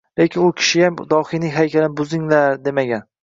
Lekin u kishiyam dohiyning haykalini buzinglar demagan